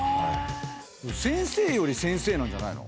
先生より先生なんじゃないの？